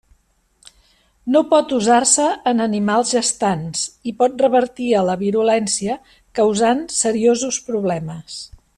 No pot usar-se en animals gestants i pot revertir a la virulència causant seriosos problemes.